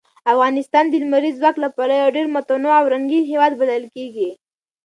افغانستان د لمریز ځواک له پلوه یو ډېر متنوع او رنګین هېواد بلل کېږي.